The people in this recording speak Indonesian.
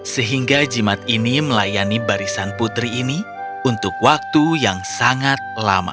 sehingga jimat ini melayani barisan putri ini untuk waktu yang sangat lama